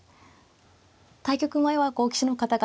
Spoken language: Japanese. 対局前は棋士の方々